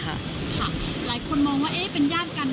หลายคนมองว่าเป็นญาติกัน